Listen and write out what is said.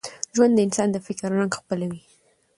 ژوند د انسان د فکر رنګ خپلوي.